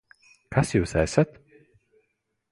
Kas Jūs esat?